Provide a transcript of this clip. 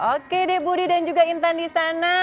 oke deh budi dan juga intan di sana